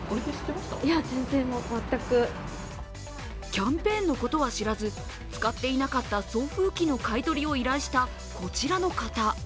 キャンペーンのことは知らず使っていなかった送風機の買い取りを依頼したこちらの方。